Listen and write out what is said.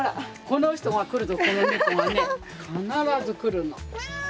この人が来るとこのネコがね必ず来るの。